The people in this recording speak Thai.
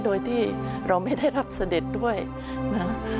โดยที่เราไม่ได้รับเสด็จด้วยนะ